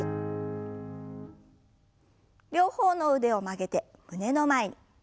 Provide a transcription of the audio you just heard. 両方の腕を曲げて胸の前に。